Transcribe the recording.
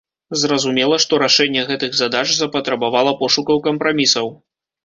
Зразумела, што рашэнне гэтых задач запатрабавала пошукаў кампрамісаў.